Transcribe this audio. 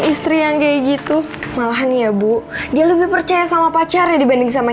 isteri yang kayak gitu malah nia bu di luar possibilities sama pacarnya dibanding sama